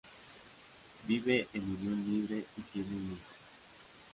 Vive en unión libre y tiene un hijo.